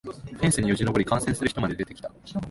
フェンスによじ登り観戦する人まで出てきた